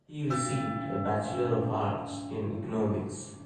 He received a Bachelor of Arts in Economics.